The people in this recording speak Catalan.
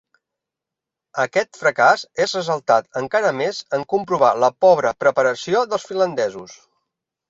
Aquest fracàs és ressaltat encara més en comprovar la pobra preparació dels finlandesos.